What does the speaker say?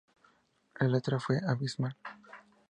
La letra fue abismal.